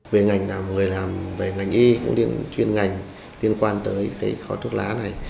về ngành nào người làm về ngành y cũng điên chuyên ngành tiên quan tới cái khói thuốc lá này